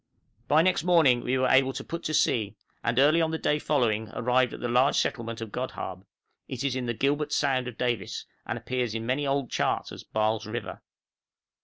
By next morning we were able to put to sea, and early on the day following arrived off the large settlement of Godhaab; it is in the "Gilbert Sound" of Davis, and appears in many old charts as Baal's River.